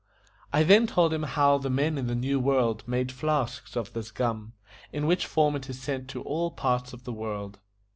I then told him how the men in the New World made flasks of this gum, in which form it is sent to all parts of the world.